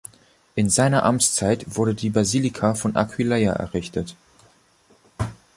In seiner Amtszeit wurde die Basilika von Aquileia errichtet.